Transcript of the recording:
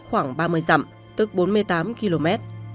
ba mươi dặm tức bốn mươi tám km